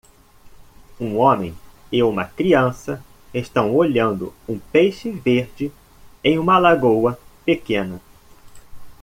Um homem e uma criança estão olhando um peixe verde em uma lagoa pequena.